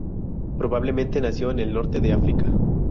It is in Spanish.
Probablemente nació en el norte de África.